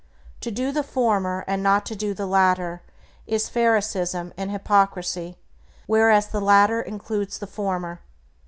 To do the former, and not to do the latter, is pharisaism and hypocrisy, whereas the latter includes the former.